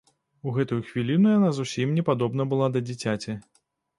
У гэтую хвіліну яна зусім не падобна была да дзіцяці.